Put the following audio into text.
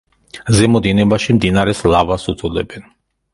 ზემო დინებაში, მდინარეს ლავას უწოდებენ.